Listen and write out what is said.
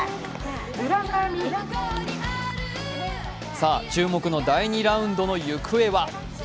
さあ注目の第２ラウンドの行方は？